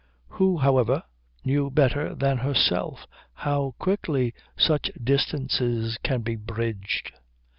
Who, however, knew better than herself how quickly such distances can be bridged?